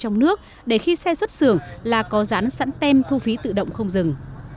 trong nước để khi xe xuất xưởng là có rán sẵn tem thu phí tự động không dừng